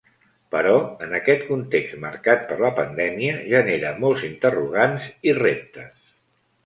Però en aquest context marcat per la pandèmia genera molts interrogants i reptes.